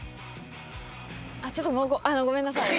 あっちょっとごめんなさい。